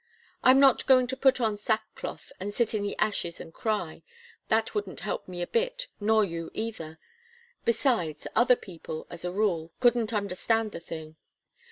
I'm not going to put on sackcloth and sit in the ashes and cry. That wouldn't help me a bit, nor you either. Besides, other people, as a rule, couldn't understand the thing.